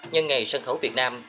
nhân ngày sân khấu việt nam